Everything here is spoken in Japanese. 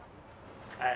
はい。